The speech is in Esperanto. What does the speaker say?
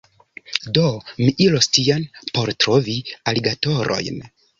Do, mi iros tien por trovi aligatorojn